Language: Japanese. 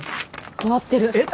終わってるえっ